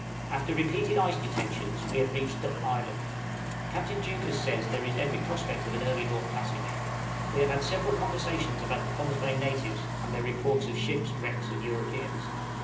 After repeated ice detentions, we have reached Duck Island. Captain Deuchars says there is every prospect of an early north passage; we have had several conversations about the Pond's Bay natives, and their reports of ships, wrecks, and Europeans.